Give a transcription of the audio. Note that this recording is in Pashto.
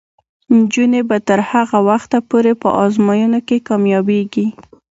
نجونې به تر هغه وخته پورې په ازموینو کې کامیابیږي.